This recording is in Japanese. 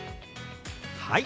はい。